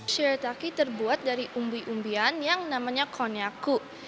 cerataki terbuat dari umbi umbian yang namanya konnyaku